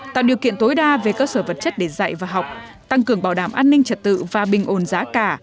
tạo điều kiện tối đa về cơ sở vật chất để dạy và học tăng cường bảo đảm an ninh trật tự và bình ồn giá cả